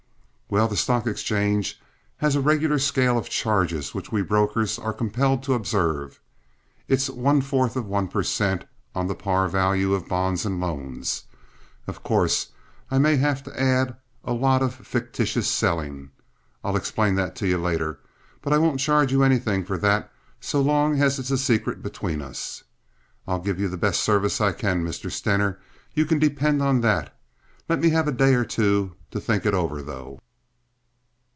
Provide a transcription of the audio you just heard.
"Well, the stock exchange has a regular scale of charges which we brokers are compelled to observe. It's one fourth of one per cent. on the par value of bonds and loans. Of course, I may hav to add a lot of fictitious selling—I'll explain that to you later—but I won't charge you anything for that so long as it is a secret between us. I'll give you the best service I can, Mr. Stener. You can depend on that. Let me have a day or two to think it over, though."